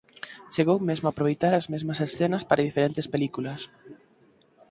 Chegou mesmo a aproveitar as mesmas escenas para diferentes películas.